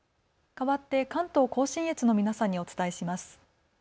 かわって関東甲信越の皆さんにお伝えします。